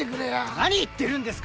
何言ってるんですか！